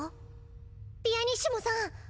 ピアニッシモさん！